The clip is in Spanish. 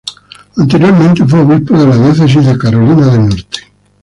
Anteriormente fue obispo de la Diócesis de Carolina del Norte.